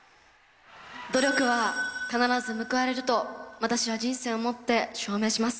努力は必ず報われると、私は人生をもって、証明します。